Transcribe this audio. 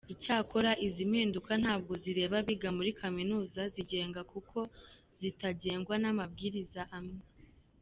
Icyakora izi mpinduka ntabwo zireba abiga muri Kaminuza zigenga kuko zitagengwa n’amabwiriza amwe.